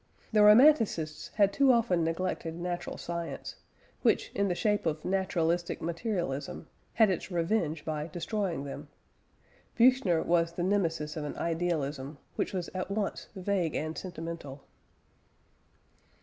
The Romanticists had too often neglected natural science, which, in the shape of naturalistic materialism, had its revenge by destroying them. Büchner was the Nemesis of an idealism which was at once vague and sentimental.